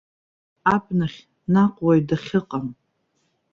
Абнахь, наҟ, уаҩ дахьыҟам!